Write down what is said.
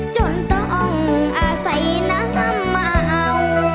จนต้องอาศัยน้ำมาเอา